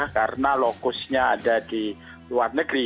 karena lokusnya ada di luar negeri